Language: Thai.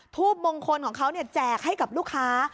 ทูบมงคลของเขาแจกให้กับลูกค้า